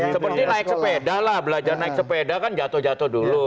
seperti naik sepeda lah belajar naik sepeda kan jatuh jatuh dulu